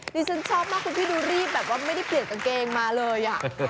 ดิฉันชอบมากคุณพี่ดูรีบแบบว่าไม่ได้เปลี่ยนกางเกงมาเลย